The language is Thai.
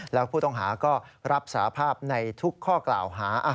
แล้วผู้ต้องหาก็รับสาภาพในทุกข้อกล่าวหา